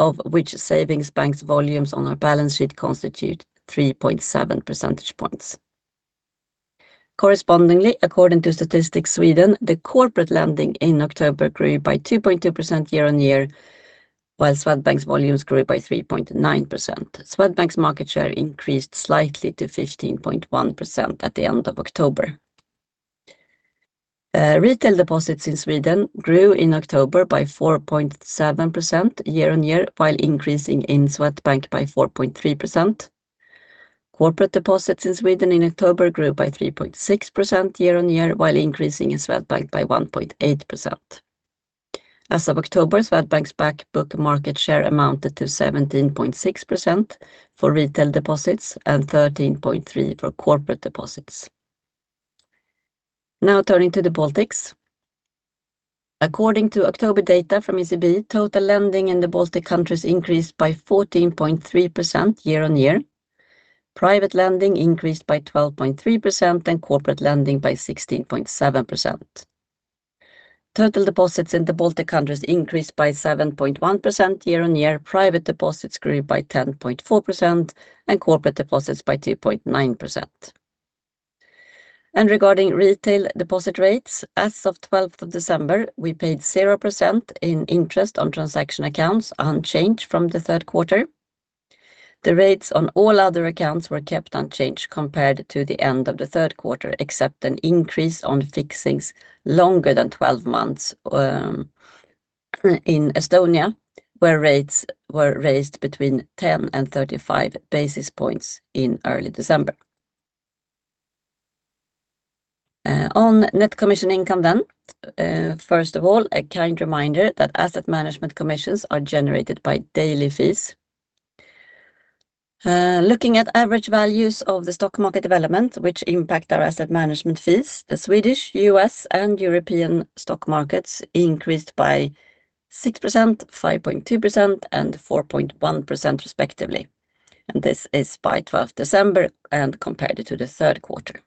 Of which Savings Banks' volumes on our balance sheet constitute 3.7 percentage points. Correspondingly, according to Statistics Sweden, the corporate lending in October grew by 2.2% year-on-year, while Swedbank's volumes grew by 3.9%. Swedbank's market share increased slightly to 15.1% at the end of October. Retail deposits in Sweden grew in October by 4.7% year-on-year, while increasing in Swedbank by 4.3%. Corporate deposits in Sweden in October grew by 3.6% year-on-year, while increasing in Swedbank by 1.8%. As of October, Swedbank's back book market share amounted to 17.6% for retail deposits and 13.3% for corporate deposits. Now turning to the Baltics. According to October data from ECB, total lending in the Baltic countries increased by 14.3% year-on-year, private lending increased by 12.3%, and corporate lending by 16.7%. Total deposits in the Baltic countries increased by 7.1% year-on-year, private deposits grew by 10.4%, and corporate deposits by 2.9%. And regarding retail deposit rates, as of 12 December, we paid 0% in interest on transaction accounts unchanged from the third quarter. The rates on all other accounts were kept unchanged compared to the end of the third quarter, except an increase on fixings longer than 12 months in Estonia, where rates were raised between 10 and 35 basis points in early December. On net commission income then, first of all, a kind reminder that asset management commissions are generated by daily fees. Looking at average values of the stock market development, which impact our asset management fees, the Swedish, U.S., and European stock markets increased by 6%, 5.2%, and 4.1% respectively. And this is by 12 December and compared to the third quarter.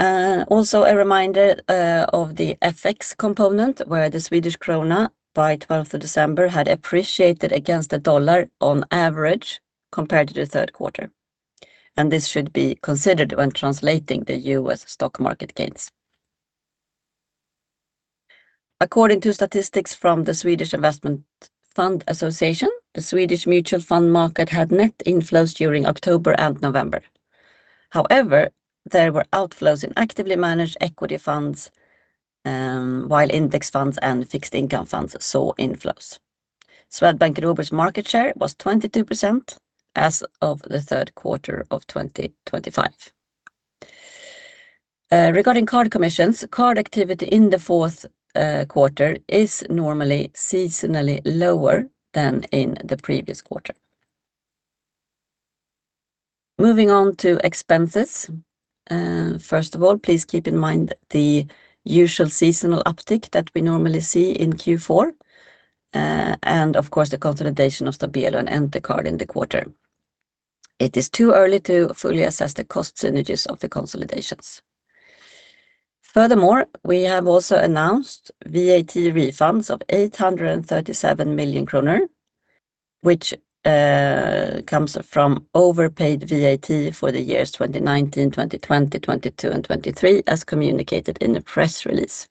Also, a reminder of the FX component, where the Swedish krona by 12 December had appreciated against the dollar on average compared to the third quarter. This should be considered when translating the U.S. stock market gains. According to statistics from the Swedish Investment Fund Association, the Swedish mutual fund market had net inflows during October and November. However, there were outflows in actively managed equity funds, while index funds and fixed income funds saw inflows. Swedbank Robur's market share was 22% as of the third quarter of 2025. Regarding card commissions, card activity in the fourth quarter is normally seasonally lower than in the previous quarter. Moving on to expenses. First of all, please keep in mind the usual seasonal uptick that we normally see in Q4, and of course the consolidation of Stabelo and Entercard in the quarter. It is too early to fully assess the cost synergies of the consolidations. Furthermore, we have also announced VAT refunds of 837 million kronor, which comes from overpaid VAT for the years 2019, 2020, 2022, and 2023, as communicated in the press release,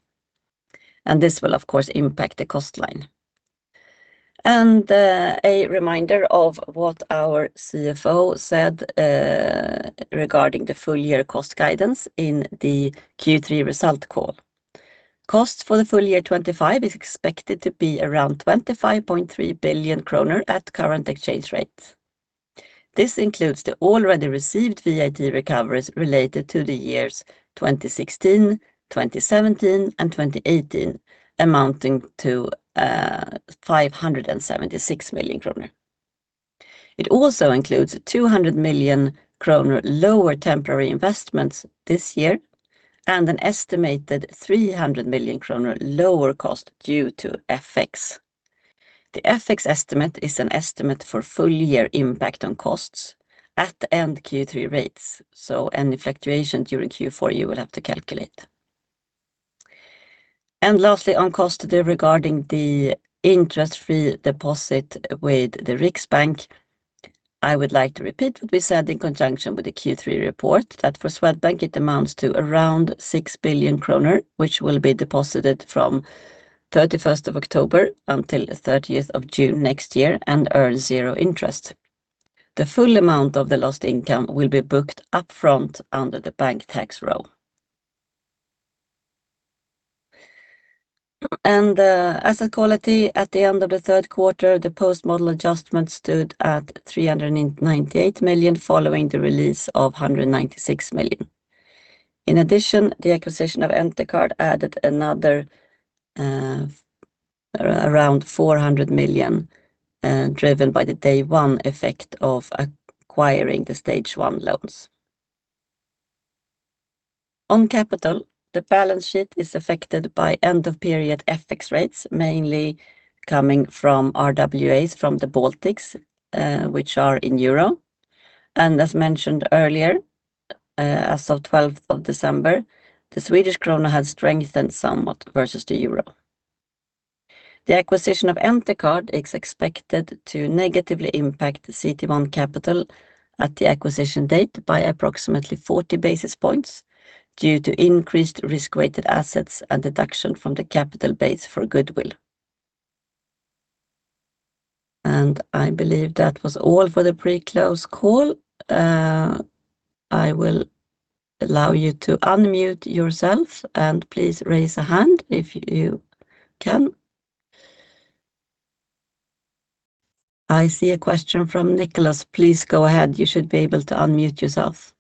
and this will, of course, impact the cost line, and a reminder of what our CFO said regarding the full year cost guidance in the Q3 result call. Cost for the full year 2025 is expected to be around 25.3 billion kronor at current exchange rates. This includes the already received VAT recoveries related to the years 2016, 2017, and 2018, amounting to 576 million kronor. It also includes 200 million kronor lower temporary investments this year and an estimated 300 million kronor lower cost due to FX. The FX estimate is an estimate for full year impact on costs at end Q3 rates, so any fluctuation during Q4 you will have to calculate. And lastly, on cost regarding the interest-free deposit with the Riksbank, I would like to repeat what we said in conjunction with the Q3 report, that for Swedbank it amounts to around 6 billion kronor, which will be deposited from 31 October until 30 June next year and earn zero interest. The full amount of the lost income will be booked upfront under the bank tax row. And asset quality at the end of the third quarter, the post-model adjustment stood at 398 million following the release of 196 million. In addition, the acquisition of Entercard added another around 400 million, driven by the day-one effect of acquiring the Stage 1 loans. On capital, the balance sheet is affected by end-of-period FX rates, mainly coming from RWAs from the Baltics, which are in euro. As mentioned earlier, as of 12 December, the Swedish krona had strengthened somewhat versus the euro. The acquisition of Entercard is expected to negatively impact CET1 capital at the acquisition date by approximately 40 basis points due to increased risk-weighted assets and deduction from the capital base for goodwill. I believe that was all for the pre-close call. I will allow you to unmute yourself and please raise a hand if you can. I see a question from Nicolas. Please go ahead. You should be able to unmute yourself.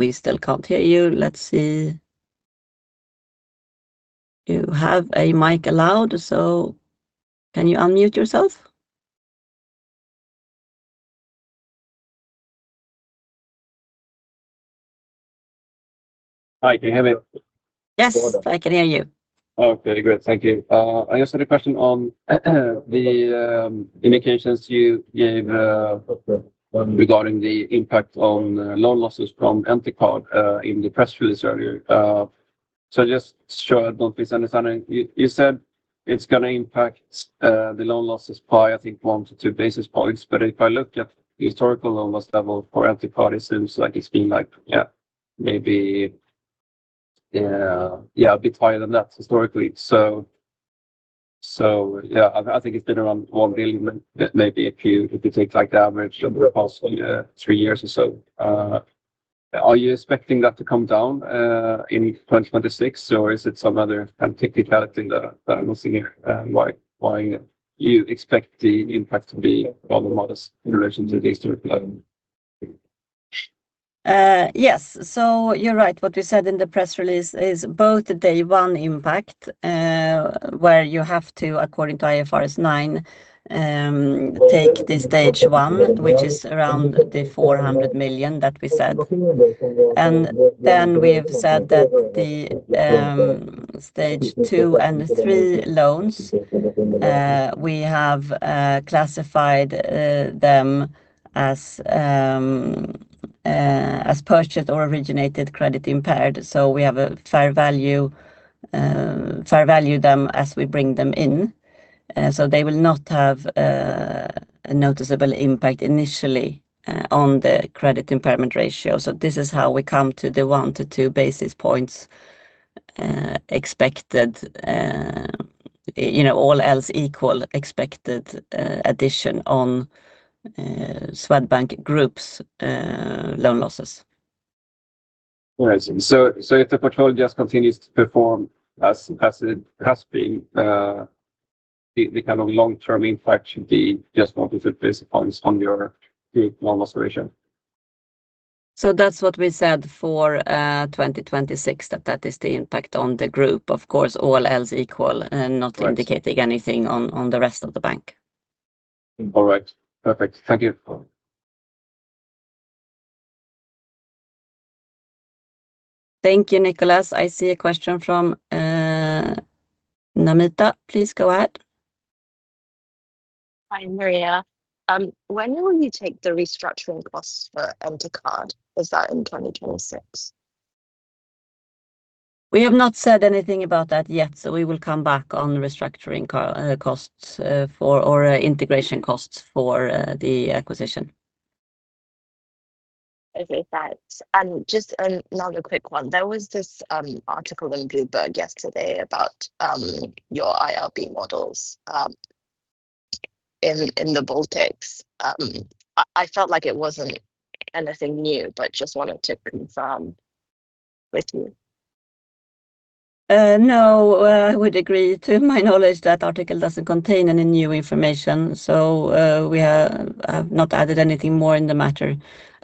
We still can't hear you. Let's see. You have a mic allowed, so can you unmute yourself? Hi, can you hear me? Yes, I can hear you. Okay, great. Thank you. I just had a question on the indications you gave regarding the impact on loan losses from Entercard in the press release earlier. So just to show I don't misunderstand, you said it's going to impact the loan losses by, I think, one to two basis points. But if I look at the historical loan loss level for Entercard, it seems like it's been like, yeah, maybe, yeah, a bit higher than that historically. So yeah, I think it's been around 1 billion, maybe if you take like the average over the past three years or so. Are you expecting that to come down in 2026, or is it some other kind of technicality that I'm not seeing here? Why do you expect the impact to be rather modest in relation to the historical level? Yes, so you're right. What we said in the press release is both day-one impact, where you have to, according to IFRS 9, take the stage one, which is around the 400 million that we said. And then we've said that the stage two and three loans, we have classified them as purchased or originated credit impaired. So we have a fair value them as we bring them in. So they will not have a noticeable impact initially on the credit impairment ratio. So this is how we come to the one to two basis points expected, you know, all else equal expected addition on Swedbank Group's loan losses. If the portfolio just continues to perform as it has been, the kind of long-term impact should be just one to two basis points on your group loan loss ratio? So that's what we said for 2026, that that is the impact on the group. Of course, all else equal, not indicating anything on the rest of the bank. All right. Perfect. Thank you. Thank you, Nicholas. I see a question from Namita. Please go ahead. Hi, Maria. When will you take the restructuring costs for Entercard? Is that in 2026? We have not said anything about that yet, so we will come back on restructuring costs for, or integration costs for the acquisition. Okay, thanks. And just another quick one. There was this article in Bloomberg yesterday about your IRB models in the Baltics. I felt like it wasn't anything new, but just wanted to confirm with you. No, I would agree. To my knowledge, that article doesn't contain any new information, so we have not added anything more in the matter.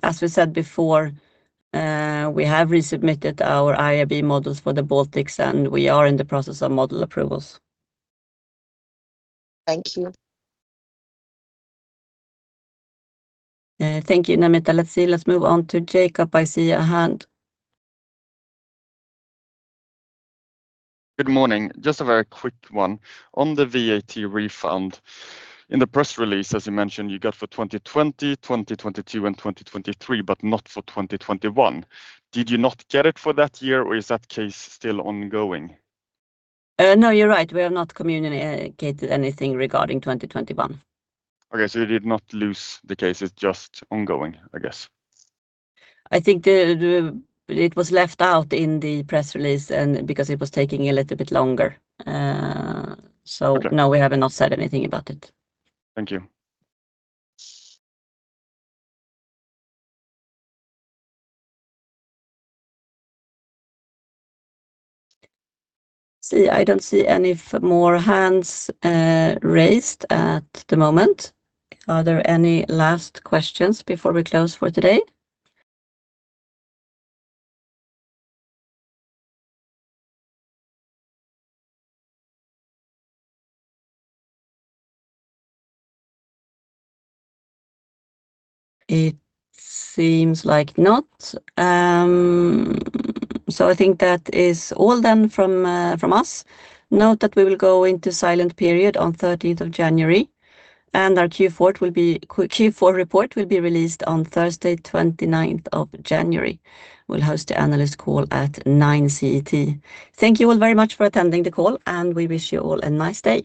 As we said before, we have resubmitted our IRB models for the Baltics, and we are in the process of model approvals. Thank you. Thank you, Namita. Let's see. Let's move on to Jacob. I see a hand. Good morning. Just a very quick one on the VAT refund. In the press release, as you mentioned, you got for 2020, 2022, and 2023, but not for 2021. Did you not get it for that year, or is that case still ongoing? No, you're right. We have not communicated anything regarding 2021. Okay, so you did not lose the case. It's just ongoing, I guess. I think it was left out in the press release because it was taking a little bit longer. So no, we haven't said anything about it. Thank you. See, I don't see any more hands raised at the moment. Are there any last questions before we close for today? It seems like not. So I think that is all done from us. Note that we will go into silent period on 13 January, and our Q4 report will be released on Thursday, 29 January. We'll host the analyst call at 9:00 A.M. CET. Thank you all very much for attending the call, and we wish you all a nice day.